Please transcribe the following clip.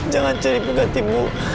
jangan cari peganti bu